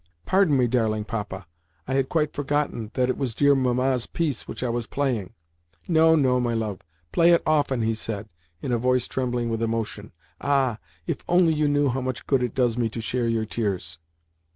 "Pardon me, darling Papa! I had quite forgotten that it was dear Mamma's piece which I was playing." "No, no, my love; play it often," he said in a voice trembling with emotion. "Ah, if you only knew how much good it does me to share your tears!"